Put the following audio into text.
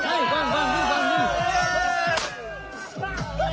ไปอยู่ตรงนั้นหรือตรงนั้นมั้ย